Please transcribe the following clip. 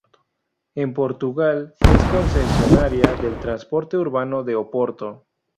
En Portugal es concesionaria del transporte urbano de Oporto.